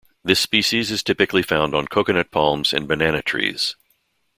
This species is typically found on coconut palms and banana trees.